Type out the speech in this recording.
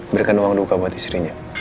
berikan uang duka buat istrinya